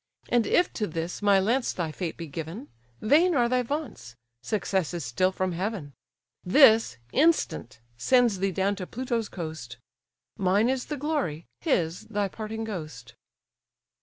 And if to this my lance thy fate be given, Vain are thy vaunts; success is still from heaven: This, instant, sends thee down to Pluto's coast; Mine is the glory, his thy parting ghost."